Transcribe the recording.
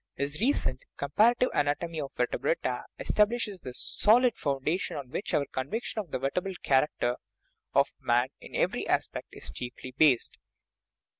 His recent Comparative An atomy of the Vertebrata establishes the solid foundation on which our conviction of the vertebral character of man in every aspect is chiefly based.